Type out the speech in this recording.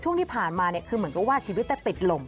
ช่วงที่ผ่านมาเนี่ยคือเหมือนกับว่าชีวิตจะติดลม